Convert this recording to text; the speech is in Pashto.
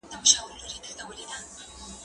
زه به لوبه کړې وي؟